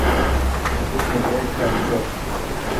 Ich will nur Geld, keinen Job.